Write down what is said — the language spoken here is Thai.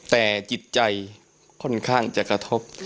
แต่จิตใจค่อนข้างจะกระทบ